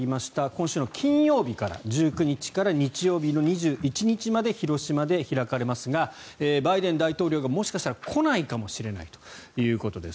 今週の金曜日から１９日から日曜日の２１日まで広島で開かれますがバイデン大統領がもしかしたら来ないかもしれないということです。